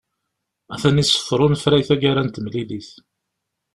Atan iṣeffer unefray taggara n temlilit.